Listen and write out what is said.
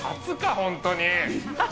本当に。